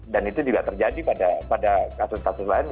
dan itu juga terjadi pada kasus kasus lainnya